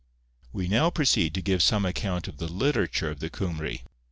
We now proceed to give some account of the literature of the Cymry.